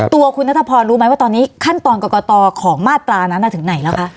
ตัวคุณนัทพรรู้ไหมว่าตอนนี้ขั้นตอนกรกตของมาตรานั้นถึงไหนแล้วคะ